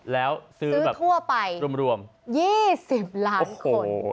แล้วซื้อทั่วไป๒๐ล้านคน